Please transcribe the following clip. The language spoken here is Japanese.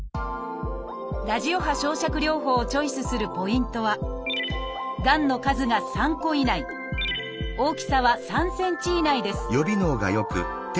ラジオ波焼灼療法をチョイスするポイントはがんの数が３個以内大きさは３ｃｍ以内です